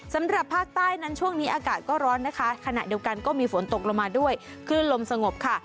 สำหรับภาคใต้นั้นช่วงนี้อากาศก็ร้อนนะคะขณะเดียวกันก็มีฝนตกลงมาด้วยคลื่นลมสงบค่ะ